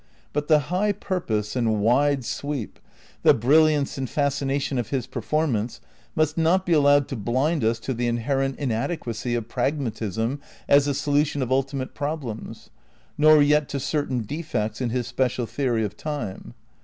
But the high purpose and wide sweep, the brilliance and fascination of his per formance must not be allowed to blind us to the inher ent inadequacy of pragmatism as a solution of ulti mate problems, nor yet to certain defects in his special theory of Time.